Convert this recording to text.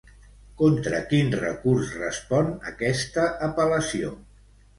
Contra quin recurs respon aquesta apel·lació?